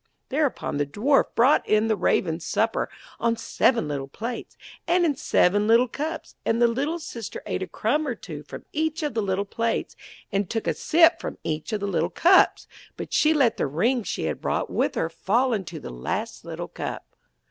Thereupon the Dwarf brought in the Ravens' supper, on seven little plates, and in seven little cups, and the little sister ate a crumb or two from each of the little plates, and took a sip from each of the little cups, but she let the ring she had brought with her fall into the last little cup.